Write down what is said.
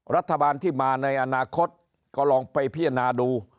รัฐบาลที่มาในอนาคตก็ลองไปพิจารณาดู